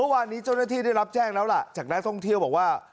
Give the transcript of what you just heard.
วานนี้เจ้าหน้าที่ได้รับแจ้งแล้วล่ะจากนักท่องเที่ยวบอกว่า